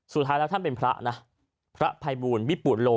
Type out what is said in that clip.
สุดท้ายแล้วท่านเป็นพระนะพระภัยบูลวิปุโล